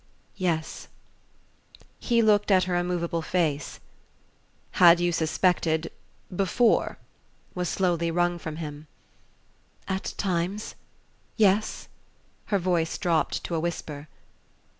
"Yes." He looked at her immovable face. "Had you suspected before?" was slowly wrung from him. "At times yes " Her voice dropped to a whisper.